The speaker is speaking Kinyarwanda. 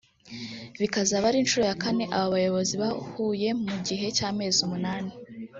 bikazaba ari inshuro ya kane aba bayobozi bahuye mu gihe cy’amezi umunani